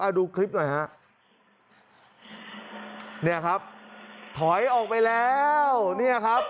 ดูคลิปหน่อยฮะเนี่ยครับถอยออกไปแล้วเนี่ยครับ